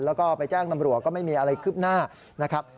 แล้วก็ไปแจ้งตำรวจก็ไม่มีอะไรคืบหน้านะครับ